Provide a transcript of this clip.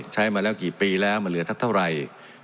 ใช้มาแล้วกี่ปีแล้วมันเหลือสักเท่าไหร่